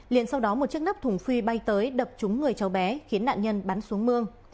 liền sau đó một chiếc nắp thùng phi bay tới đập trúng người cháu bé khiến nạn nhân bắn xuống mương